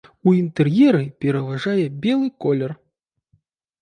У інтэр'еры пераважае белы колер.